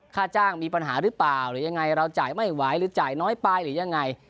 ค่าจ้างมีปัญหาหรือเปล่าหรือยังไงเราจ่ายไม่ไหวหรือจ่ายน้อยไปหรือยังไง